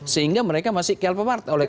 sehingga mereka masih ke alfamart